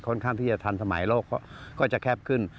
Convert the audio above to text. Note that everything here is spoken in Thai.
ข้างที่จะทันสมัยโลกก็จะแคบขึ้น